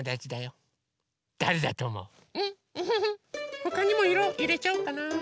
ほかにもいろいれちゃおっかな。